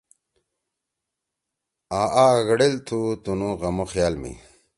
آ آگڑئیل تھو تنو غمو خیال می۔